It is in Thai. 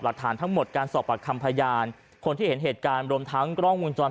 หลักฐานทั้งหมดการสอบปากคำพยานคนที่เห็นเหตุการณ์รวมทั้งกล้องวงจร